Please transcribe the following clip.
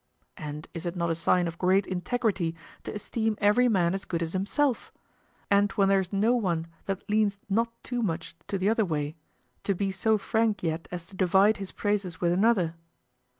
And is it not a sign of great integrity to esteem every man as good as himself, and when there is no one that leans not too much to other way, to be so frank yet as to divide his praises with another?